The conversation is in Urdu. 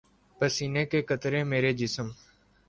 پسینے کے قطرے میرے جسم